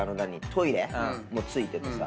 トイレも付いててさ。